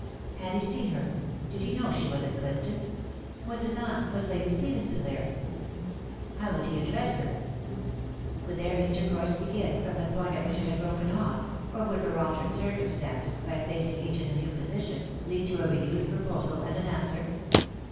" Had he seen her ?.... Did he know she was at Clifton ?.... Was his aunt,— was Lady Stephenson there ?•... How would he address her ?.... Would their intercourse begin from the point at which it had broken off, or would her altered circumstances, by placing each in a new position, lead to a re newed proposal, and an answer